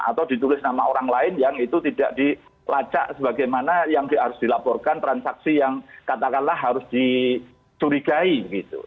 atau ditulis nama orang lain yang itu tidak dilacak sebagaimana yang harus dilaporkan transaksi yang katakanlah harus dicurigai gitu